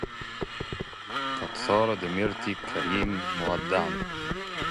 قد سار ديمتري الكريم مودعا